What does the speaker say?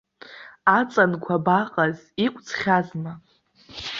Аҵанқәа абаҟаз, иқәҵхьазма?